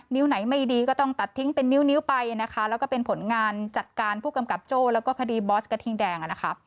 ไหนไม่ดีก็ต้องตัดทิ้งเป็นนิ้วไปนะคะแล้วก็เป็นผลงานจัดการผู้กำกับโจ้แล้วก็คดีบอสกระทิงแดง